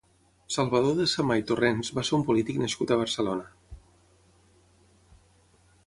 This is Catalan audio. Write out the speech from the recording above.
Salvador de Samà i Torrents va ser un polític nascut a Barcelona.